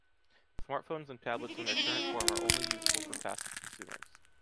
Smartphones and tablets in their current form are only useful for passive consumers.